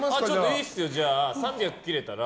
いいですよ、じゃあ３００切れたら。